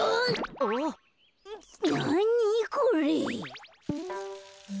なにこれ？